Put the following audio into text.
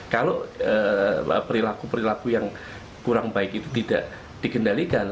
kalau perilaku perilaku yang kurang baik itu tidak dikendalikan